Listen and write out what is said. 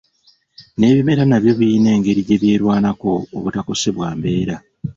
N'ebimera nabyo biyina engeri gye byerwanako obutakosebwa mbeera.